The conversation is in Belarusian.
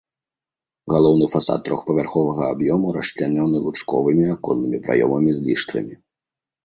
Галоўны фасад трохпавярховага аб'ёму расчлянёны лучковымі аконнымі праёмамі з ліштвамі.